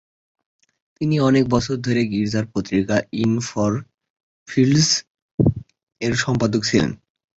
তিনি অনেক বছর ধরে গির্জার পত্রিকা "ইন ফার ফিল্ডস" এর সম্পাদক ছিলেন।